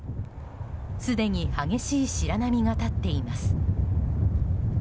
すでに激しい白波が立っています。